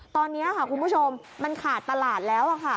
ตอนนี้ค่ะคุณผู้ชมมันขาดตลาดแล้วค่ะ